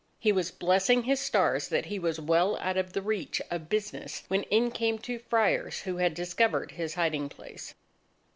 He was blessing his stars that he was well out of the reach of business, when in came two Friars, who had discovered his hiding place.